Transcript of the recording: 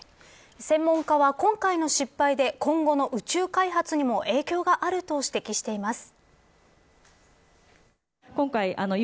専門家は、今回の失敗で今後の宇宙開発にも影響があると指摘しています。